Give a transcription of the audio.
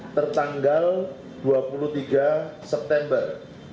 tertanggal dua puluh tiga september